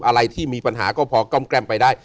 อะไรที่มีปัญหาก็พอกล้อมแกล้มไปได้